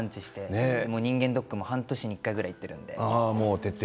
人間ドックも半年に１回ぐらい行っているので。